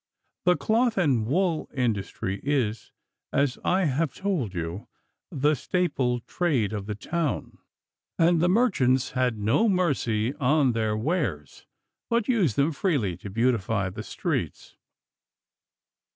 The cloth and wool industry is, as I have told you, the staple trade of the town, and the merchants had no mercy on their wares, but used them freely to beautify the streets.